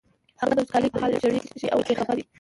هغه د وچکالۍ په حال ژړېږي او پرې خپه دی.